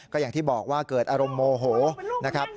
ก็อย่างที่บอกว่าเกิดอารมณ์โมโหนะครับ